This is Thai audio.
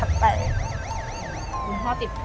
มันไปกันเหมือนว่าเขาดูจับไป